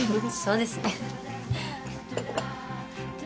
そうですね。